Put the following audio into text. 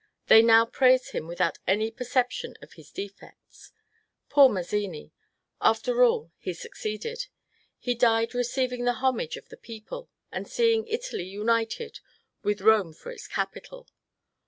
They now praise him without any perception of his defects. Poor Mazzini ! After all, he succeeded. He died receiving the homage of the people, and seeing Italy united, with Kome for its capital.